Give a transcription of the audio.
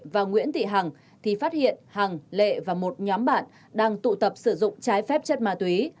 và nguyễn thị hằng thì phát hiện hằng lệ và một nhóm bạn đang tụ tập sử dụng trái phép chất ma túy